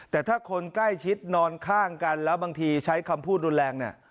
แต่ถ้าคนใกล้ชิดนอนข้างกันแล้วบางทีใช้คำพูดรุนแรงเนี่ย